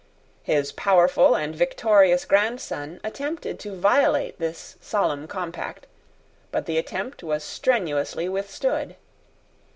His powerful and victorious grandson attempted to violate this solemn compact: but the attempt was strenuously withstood.